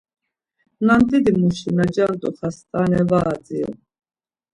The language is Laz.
Nandidimuşi na cant̆u xastane var adziru.